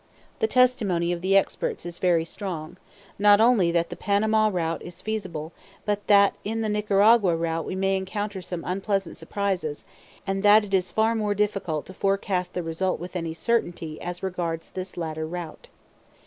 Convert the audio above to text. The testimony of the experts is very strong, not only that the Panama route is feasible, but that in the Nicaragua route we may encounter some unpleasant surprises, and that it is far more difficult to forecast the result with any certainty as regards this latter route.